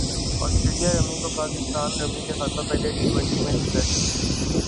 سٹریلیا رمی کو پاکستان رمی کے ہاتھوں پہلے ٹی ٹوئنٹی میچ میں شکست